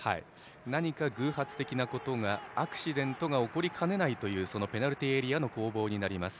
何か偶発的なことがアクシデントが起こりかねないそのペナルティーエリア内の攻防になります。